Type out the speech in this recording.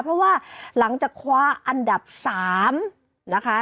เพราะว่าหลังจากคว้าอันดับ๓นะคะ